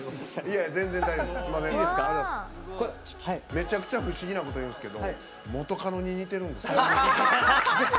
めちゃくちゃ不思議なこと言うんですけど元カノに似てるんですよね。